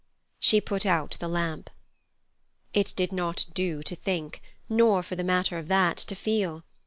She put out the lamp. It did not do to think, nor, for the matter of that, to feel.